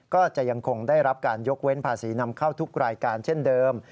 ก็จะยังคงได้รับการยกเว้นภาษีนำเข้าทุกรายการเช่นเดิม